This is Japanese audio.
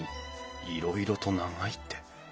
いろいろと長いって。